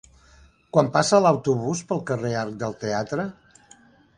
Quan passa l'autobús pel carrer Arc del Teatre?